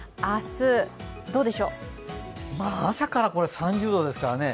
朝から３０度ですからね。